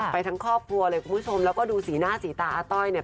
ไปทั้งครอบครัวเลยคุณผู้ชมแล้วก็ดูสีหน้าสีตาอาต้อยเนี่ย